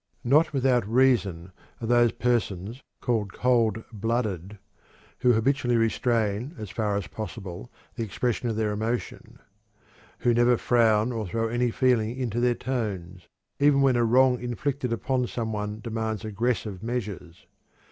Not without reason are those persons called cold blooded who habitually restrain as far as possible the expression of their emotion; who never frown or throw any feeling into their tones, even when a wrong inflicted upon some one demands aggressive measures.